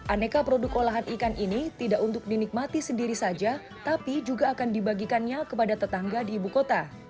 aneka produk olahan ikan ini tidak untuk dinikmati sendiri saja tapi juga akan dibagikannya kepada tetangga di ibu kota